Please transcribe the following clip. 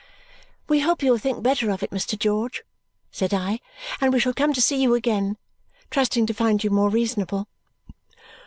"We hope you will think better of it, Mr. George," said I, "and we shall come to see you again, trusting to find you more reasonable."